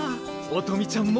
音美ちゃんも。